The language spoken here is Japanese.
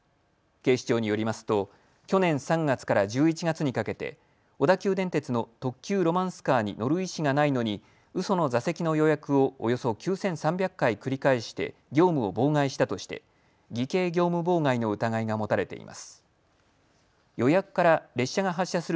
警視庁によりますと去年３月から１１月にかけて小田急電鉄の特急ロマンスカーに乗る意思がないのにうその座席の予約をおよそ９３００回繰り返して業務を妨害したとして偽計業務妨害の疑いが持たれています。